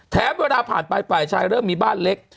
แถมเวลาผ่านไปชายเริ่มมีบ้านเล็ก